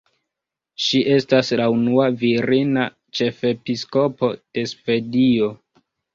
Ŝi estas la unua virina ĉefepiskopo de Svedio.